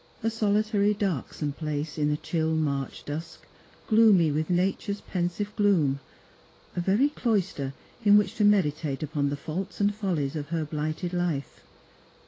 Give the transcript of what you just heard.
A solitary dark some place, in the chill March dusk, gloomy with Nature's pen sive gloom — a very cloister in which to meditate upon *he faults and follies of her blighted life.